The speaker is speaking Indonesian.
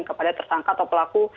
kepada tersangka atau pelaku